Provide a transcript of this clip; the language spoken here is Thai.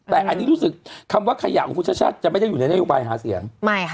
แต่อันนี้รู้สึกคำว่าขยะของคุณชัดจะไม่ได้อยู่ในโดยอุไบหาเสียง